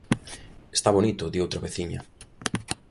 Está bonito, di outra veciña.